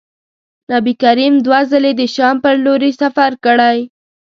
نبي کریم دوه ځلي د شام پر لوري سفر کړی.